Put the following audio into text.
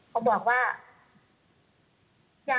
เขาบอกว่า